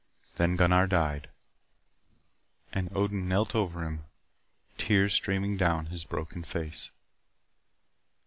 Then Gunnar died. And Odin knelt over him, tears streaming down his broken face.